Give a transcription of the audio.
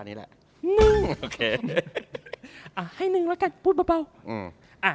๑อ่ะให้๑แล้วกันพูดเบา